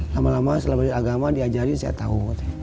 lama lama setelah beragama diajari saya tahu